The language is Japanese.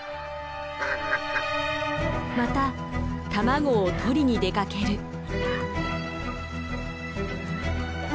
また卵を取りに出かける。